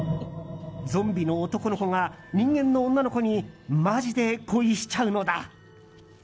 ゾンビの男の子が人間の女の子にマジで恋しちゃうのだ。